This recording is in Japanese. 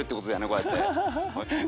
こうやって。